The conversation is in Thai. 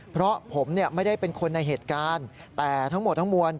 เพราะผมเนี่ยไม่ได้เป็นคนในเหตุการณ์แต่ทั้งหมดทั้งมวล